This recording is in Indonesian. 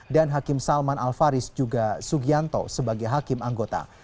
dan hakim salman alfaris juga sugianto sebagai hakim anggota